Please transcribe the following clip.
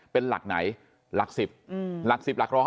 เป็นหลักไหนหลัก๑๐หลัก๑๐หลัก๑๕